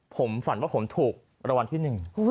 ผมฝันว่าผมถูกรางวัลที่หนึ่ง